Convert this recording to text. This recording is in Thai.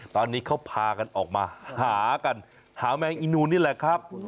ตอนนี้เขาพากันออกมาหากันหาแมงอีนูนนี่แหละครับ